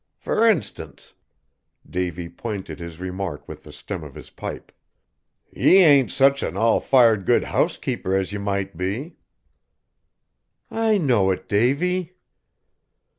Fur instance," Davy pointed his remark with the stem of his pipe, "ye ain't such an all fired good housekeeper as ye might be!" "I know it, Davy."